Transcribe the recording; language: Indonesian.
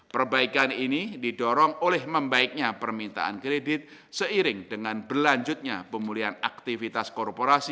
perbaikan ini didorong oleh membaiknya permintaan kredit seiring dengan berlanjutnya pemulihan aktivitas korporasi